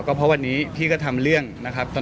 เพราะวันนี้พี่ก็ทำเรื่องนะครับ